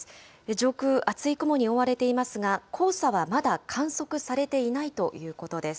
上空、厚い雲に覆われていますが、黄砂はまだ観測されていないということです。